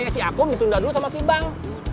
jadi punya si akum ditunda dulu sama si bang